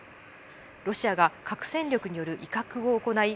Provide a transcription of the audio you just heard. ロシアが核戦力による威嚇を行い